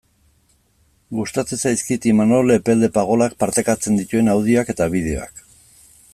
Gustatzen zaizkit Imanol Epelde Pagolak partekatzen dituen audioak eta bideoak.